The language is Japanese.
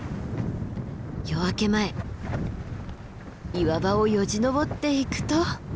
夜明け前岩場をよじ登っていくと。